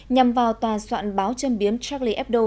nhằm vào tòa soạn báo chân biếm charlie hebdo